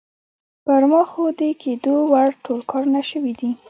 پر ما خو د کېدو وړ ټول کارونه شوي دي.